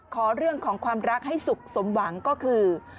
ขอเรื่องของความรักให้สุขสมหวังก็คือ